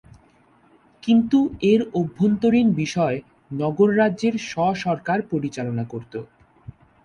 কিন্তু এর অভ্যন্তরীণ বিষয় নগর রাজ্যের স্ব-সরকার পরিচালনা করতো।